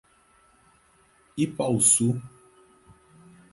Ipaussu